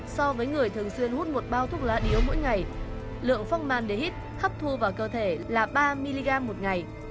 so với người thường xuyên hút một bao thuốc lá điếu mỗi ngày lượng phong man để hít hấp thu vào cơ thể là ba mg một ngày